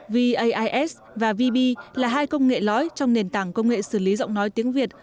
vas và vb là hai công nghệ lói trong nền tảng công nghệ xử lý giọng nói tiếng việt